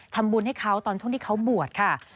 ทำบุญให้เขาตอนช่วงที่เขาบวชค่ะ